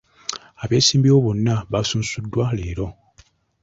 Abeesimbyewo bonna baasunsuddwa leero.